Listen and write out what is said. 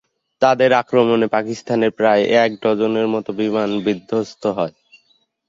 তাদের আক্রমণে পাকিস্তানের প্রায় এক ডজনের মতো বিমান বিদ্ধস্ত হয়।